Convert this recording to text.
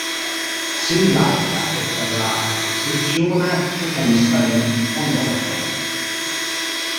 Senigallia e per la sezione socialista di Mondolfo.